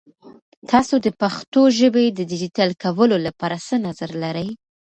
تاسو د پښتو ژبې د ډیجیټل کولو لپاره څه نظر لرئ؟